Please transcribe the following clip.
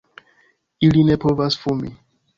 Ili ne povas fumi.